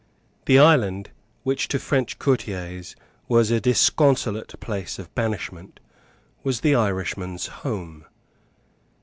The island, which to French courtiers was a disconsolate place of banishment, was the Irishman's home.